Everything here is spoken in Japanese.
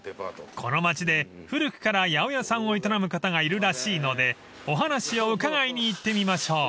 ［この街で古くから八百屋さんを営む方がいるらしいのでお話を伺いに行ってみましょう］